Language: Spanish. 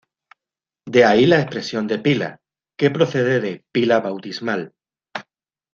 De ahí la expresión "de pila", que procede de "pila bautismal".